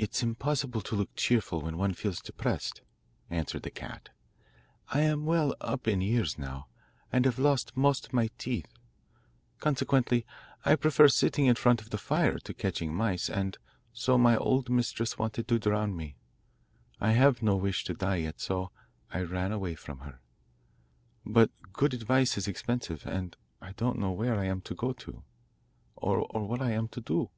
'It's impossible to look cheerful when one feels depressed,' answered the cat. 'I am well up in years now, and have lost most of my teeth; consequently I prefer sitting in front of the fire to catching mice, and so my old mistress wanted to drown me. I have no wish to die yet, so I ran away from her; but good advice is expensive, and I don't know where I am to go to, or what I am to do.